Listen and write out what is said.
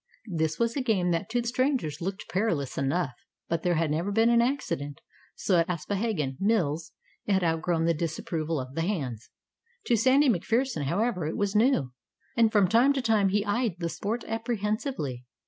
This was a game that to strangers looked perilous enough; but there had never been an accident, so at Aspohegan Mills it had outgrown the disapproval of the hands. To Sandy MacPherson, however, it was new, and from time to time he eyed the sport apprehensively.